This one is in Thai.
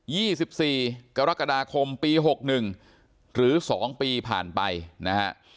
ี่สิบสี่กรกฎาคมปีหกหนึ่งหรือสองปีผ่านไปนะฮะ